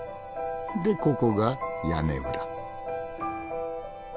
でここが屋根裏。